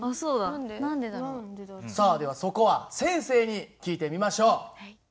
さあではそこは先生に聞いてみましょう。